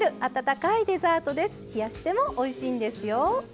冷やしてもおいしいんですよ。